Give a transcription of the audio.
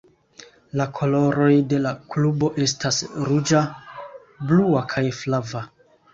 La koloroj de la klubo estas ruĝa, blua, kaj flava.